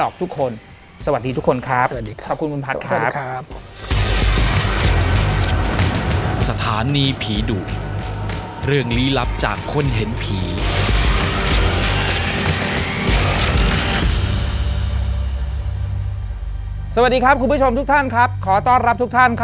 คุณฮีมครับ